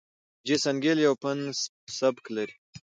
جیسن ګیل یو فن سبک لري.